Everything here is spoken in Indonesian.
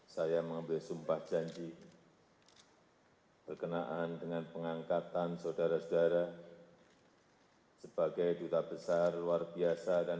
saya akan bertanya kepada saudara saudara